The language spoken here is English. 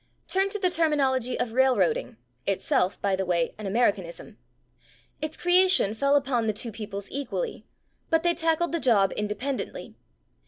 Turn to the terminology of railroading (itself, by the way, an Americanism): its creation fell upon the two peoples equally, but they tackled the job independently.